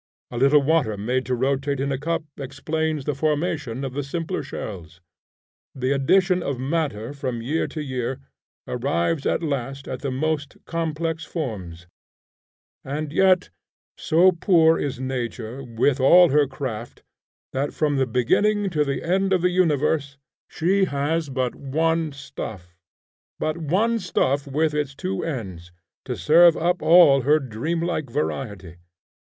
A little water made to rotate in a cup explains the formation of the simpler shells; the addition of matter from year to year, arrives at last at the most complex forms; and yet so poor is nature with all her craft, that from the beginning to the end of the universe she has but one stuff, but one stuff with its two ends, to serve up all her dream like variety.